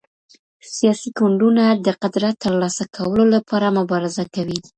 سياسي ګوندونه د قدرت تر لاسه کولو لپاره مبارزه کوي.